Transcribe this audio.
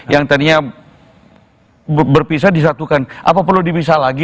yang tadinya berpisah disatukan apa perlu dipisah lagi